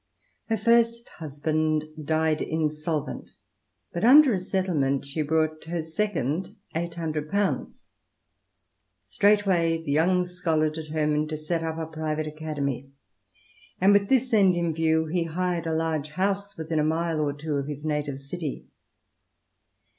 Her first husband died insolvent, but under a settlement she brought her second eight hundred pounds. Straightway the young scholar determined to set up a private academy, and with this end in view he hired a large house within a mile or two of his native city.